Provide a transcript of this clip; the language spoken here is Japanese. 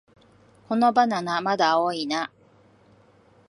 このバナナ、まだ青いな